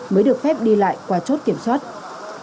mới được phép đi vào thành phố hà nội